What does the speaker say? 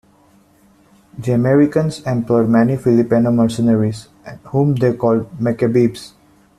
The Americans employed many Filipino mercenaries whom they called "Macabebes".